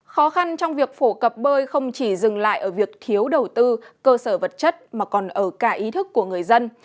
khó khăn trong việc phổ cập bơi không chỉ dừng lại ở việc thiếu đầu tư cơ sở vật chất mà còn ở cả ý thức của người dân